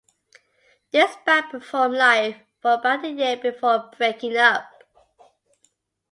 This band performed live for about a year before breaking up.